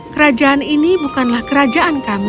kerajaan ini bukanlah kerajaan kami